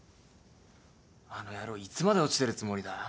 あの野郎いつまで落ちてるつもりだ？